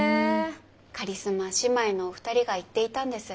カリスマ姉妹のお二人が言っていたんです。